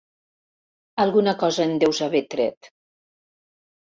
Alguna cosa en deus haver tret.